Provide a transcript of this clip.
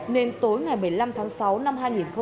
nên tối ngày một mươi năm tháng sáu năm hai nghìn hai mươi